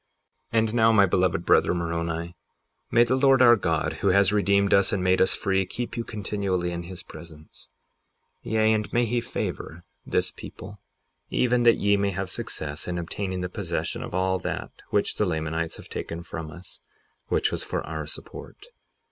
58:41 And now, my beloved brother, Moroni, may the Lord our God, who has redeemed us and made us free, keep you continually in his presence; yea, and may he favor this people, even that ye may have success in obtaining the possession of all that which the Lamanites have taken from us, which was for our support.